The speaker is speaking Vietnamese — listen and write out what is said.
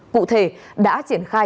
cụ thể đã triển khai